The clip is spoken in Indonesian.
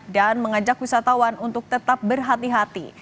dan mengajak wisatawan untuk tetap berhati hati